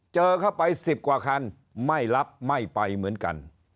เจอเข้าไป๑๐กว่าคันไม่รับไม่ไปเหมือนกัน